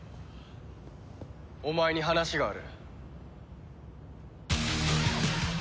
お前に話がある。